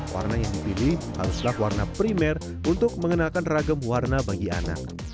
warna yang dipilih haruslah warna primer untuk mengenalkan ragam warna bagi anak